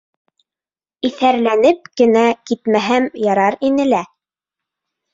Иҫәрләнеп кенә китмәһәм ярар ине лә.